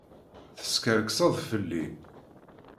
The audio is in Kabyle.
Teskerkseḍ fell-i.